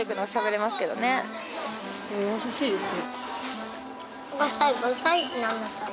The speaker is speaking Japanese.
優しいですね。